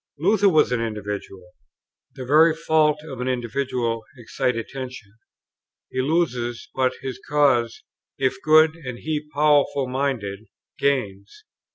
Luther was an individual. The very faults of an individual excite attention; he loses, but his cause (if good and he powerful minded) gains.